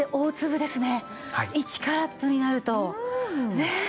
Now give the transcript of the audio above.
１カラットになるとねえ！